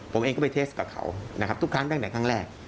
ผมเองก็ไปเทสกับเขานะครับทุกครั้งตั้งแต่ครั้งแรก